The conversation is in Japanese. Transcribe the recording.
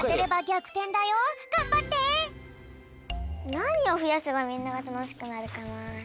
なにをふやせばみんながたのしくなるかな？